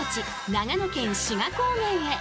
長野県・志賀高原へ。